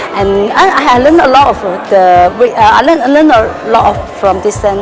kemarin saya mengajari banyak dari kontak ini